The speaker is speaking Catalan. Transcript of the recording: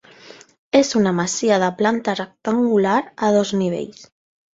És una masia de planta rectangular a dos nivells.